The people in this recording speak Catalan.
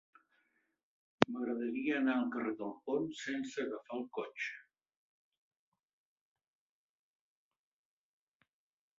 M'agradaria anar al carrer del Pont sense agafar el cotxe.